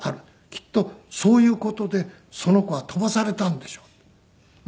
きっとそういう事でその子は飛ばされたんでしょう。